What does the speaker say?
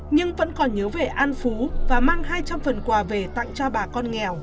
nhưng vẫn còn nhớ về an phú và mang hai trăm linh phần quà về tặng cho bà con nghèo